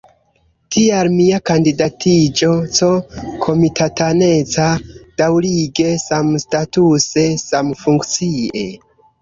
Tial mia kandidatiĝo C-komitataneca, daŭrige, samstatuse, samfunkcie.